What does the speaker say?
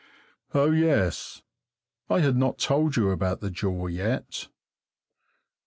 Oh yes I had not told you about the jaw yet.